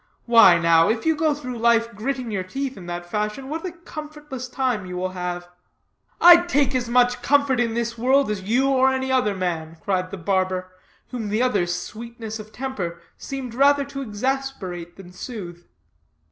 Why, now, if you go through life gritting your teeth in that fashion, what a comfortless time you will have." "I take as much comfort in this world as you or any other man," cried the barber, whom the other's sweetness of temper seemed rather to exasperate than soothe.